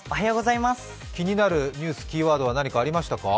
気になるニュース、キーワードはありましたか？